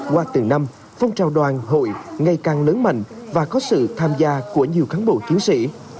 qua từng năm phong trào đoàn hội ngày càng lớn mạnh và có sự tham gia của nhiều cán bộ chiến sĩ